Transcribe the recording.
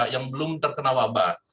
yang belum terkena wabah